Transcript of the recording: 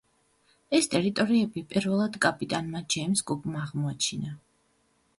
ეს ტერიტორიები პირველად კაპიტანმა ჯეიმზ კუკმა აღმოაჩინა.